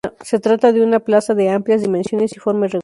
Se trata de una plaza de amplias dimensiones y forma irregular.